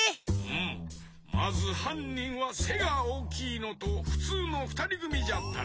まずはんにんはせがおおきいのとふつうのふたりぐみじゃったな？